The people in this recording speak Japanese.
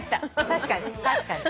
確かに。